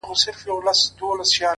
د سورلنډیو انګولا به پښتانه بېروي؛